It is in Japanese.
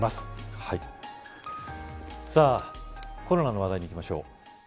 コロナの話題にいきましょう。